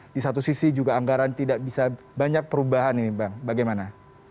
di satu sisi juga anggaran tidak bisa banyak perubahan ini bang bagaimana